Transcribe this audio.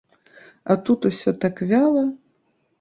А тут усё так вяла.